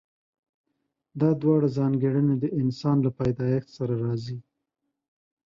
دا دواړه ځانګړنې د انسان له پيدايښت سره راځي.